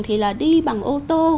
thì là đi bằng ô tô